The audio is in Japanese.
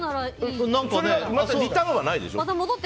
リターンはないでしょ？